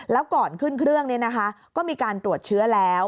แล้วก่อนขึ้นเครื่องก็มีการตรวจเชื้อแล้ว